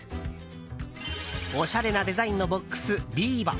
おしゃれなデザインのボックスビーボ。